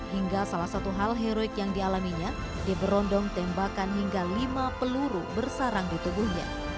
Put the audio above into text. hingga salah satu hal heroik yang dialaminya diberondong tembakan hingga lima peluru bersarang di tubuhnya